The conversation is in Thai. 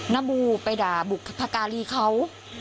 นบูไปด่าบุพการีเขา